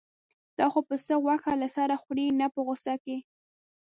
دا خو پسه غوښه له سره خوري نه په غوسه کې.